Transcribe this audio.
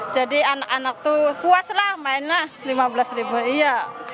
jadi anak anak tuh puas lah main lah rp lima belas iya